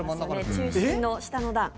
中心の下の段。